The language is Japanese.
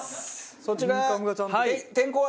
そちら。